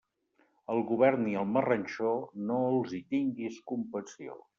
Al govern i al marranxó, no els hi tinguis compassió.